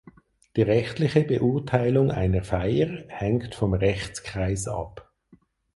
Die rechtliche Beurteilung einer Feier hängt vom Rechtskreis ab.